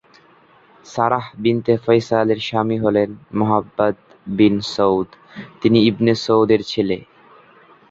Sarah binte ফয়সালের স্বামী হলেন মোহাম্মদ বিন সৌদ, তিনি ইবনে সৌদের ছেলে।